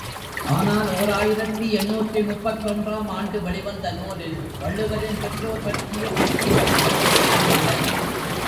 ஆனால் ஓர் ஆயிரத்து எண்ணூற்று முப்பத்தொன்று ஆம் ஆண்டு வெளிவந்த நூலில் வள்ளுவரின் பெற்றோர் பற்றிய கட்டுக்கதைகள் ஏதுமில்லை.